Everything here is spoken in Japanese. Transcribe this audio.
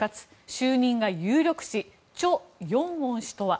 就任が有力視チョ・ヨンウォン氏とは？